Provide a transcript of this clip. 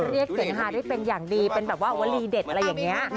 เรียกจริงค่ะเป็นอย่างดีวัลีเด็ดอะไรอย่างนี้